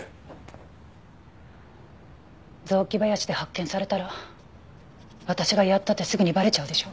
雑木林で発見されたら私がやったってすぐにバレちゃうでしょ。